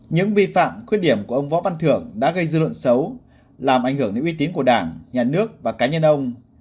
những vi phạm khuyết điểm của ông võ văn thưởng đã gây dư luận xấu làm ảnh hưởng đến uy tín của đảng nhà nước và cá nhân ông